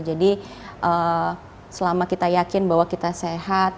jadi selama kita yakin bahwa kita sehat